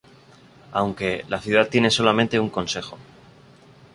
Aunque, la ciudad tiene solamente un consejo.